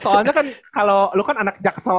soalnya kan kalo lu kan anak jaksel